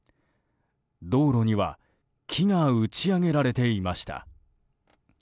道路には木が打ち上げられていました。